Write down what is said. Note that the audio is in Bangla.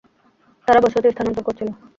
তারা বসতি স্থানান্তর করছিল।